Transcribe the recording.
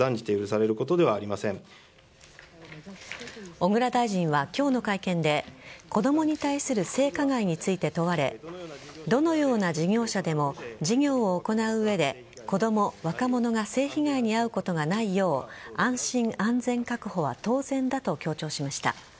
小倉大臣は今日の会見で子供に対する性加害について問われどのような事業者でも事業を行う上で子供、若者が性被害に遭うことがないよう安心・安全確保は当然だと強調しました。